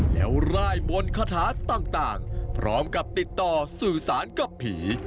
แล้วร่ายมนต์คาถาต่างพร้อมกับติดต่อสื่อสารกับผี